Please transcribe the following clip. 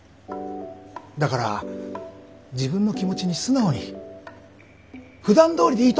だから自分の気持ちに素直にふだんどおりでいいと私は思う。